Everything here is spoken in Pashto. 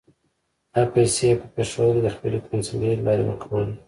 دا پیسې یې په پېښور کې د خپلې کونسلګرۍ له لارې ورکولې.